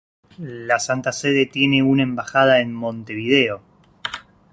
La Santa Sede tiene una embajada en Montevideo.